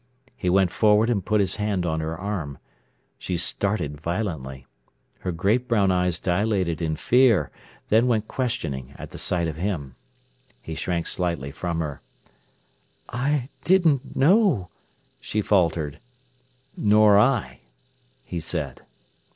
He went forward and put his hand on her arm. She started violently. Her great brown eyes dilated in fear, then went questioning at the sight of him. He shrank slightly from her. "I didn't know—" she faltered. "Nor I," he said.